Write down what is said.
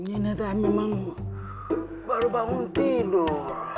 ini teh memang baru bangun tidur